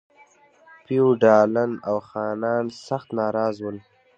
فیوډالان او خانان سخت ناراض ول.